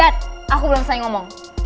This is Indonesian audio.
lihat aku belum selesai ngomong